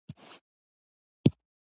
د دوی مخالفت بنسټیز نه، موقعتي دی.